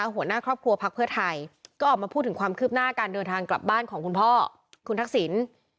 หัวหน้าครอบครัวพักเพื่อไทยก็ออกมาพูดถึงความคืบหน้าการเดินทางกลับบ้านของคุณพ่อคุณทักษิณ